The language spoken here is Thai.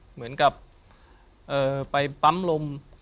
เหมือนกับไปปั๊มลม